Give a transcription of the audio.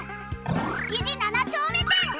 「築地七丁目店」